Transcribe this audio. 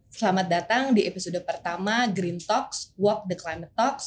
selamat datang di episode pertama green talks walk the clima talks